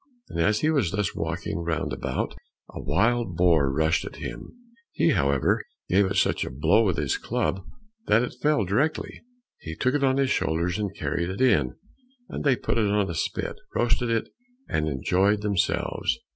And as he was thus walking round about, a wild boar rushed at him; he, however, gave it such a blow with his club that it fell directly. He took it on his shoulders and carried it in, and they put it on a spit, roasted it, and enjoyed themselves.